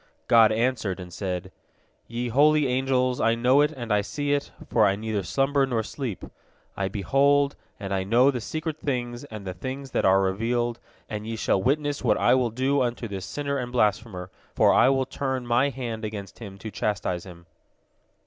God answered, and said: "Ye holy angels, I know it and I see it, for I neither slumber nor sleep. I behold and I know the secret things and the things that are revealed, and ye shall witness what I will do unto this sinner and blasphemer, for I will turn My hand against him to chastise him."